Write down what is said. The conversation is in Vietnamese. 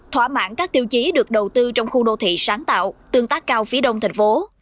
thỏa mãn các tiêu chí được đầu tư trong khu đô thị sáng tạo tương tác cao phía đông thành phố